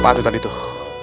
apaan itu tadi tuh